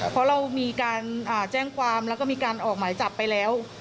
เพราะเรามีการแจ้งความแล้วก็มีการออกหมายจับไปแล้ว